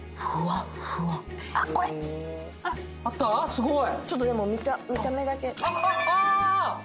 すごい。